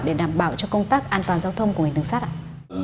để đảm bảo cho công tác an toàn giao thông của ngành đường sắt ạ